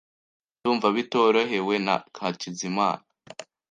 Ndumva bitorohewe na Hakizimana .